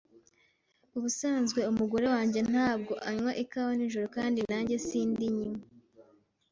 Ubusanzwe umugore wanjye ntabwo anywa ikawa nijoro, kandi nanjye sindinywa.